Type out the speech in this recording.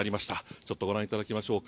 ちょっとご覧いただきましょうか。